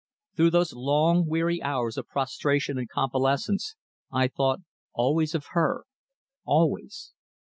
Through those long, weary hours of prostration and convalescence I thought always of her always.